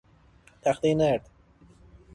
تختهی نرد